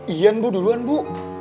ian bu duluan bu